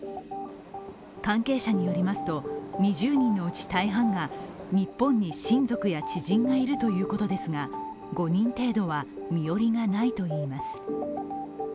関係者によりますと２０人のうち、大半が日本に親族や知人がいるということですが、５人程度は身寄りがないといいます